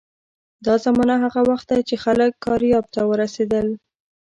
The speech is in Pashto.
دا زمانه هغه وخت ده چې خلک کارایب ته ورسېدل.